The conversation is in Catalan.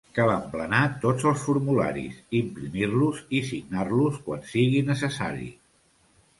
Cal emplenar tots els formularis, imprimir-los i signar-los quan sigui necessari.